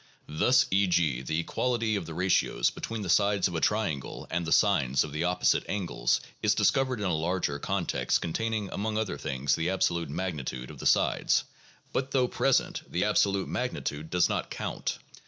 Thus, e. g., the equality of the ratios between the sides of a triangle and the sines of the opposite angles is discovered in a larger context containing, among other things, the absolute magnitude of the sides; but though present, the absolute magnitude does not count.